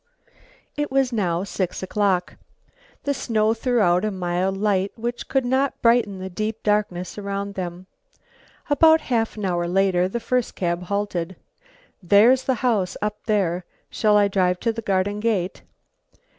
It was now six o'clock. The snow threw out a mild light which could not brighten the deep darkness around them. About half an hour later the first cab halted. "There's the house up there. Shall I drive to the garden gate?"